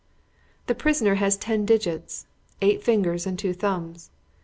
The prisoner has ten digits eight fingers and two thumbs.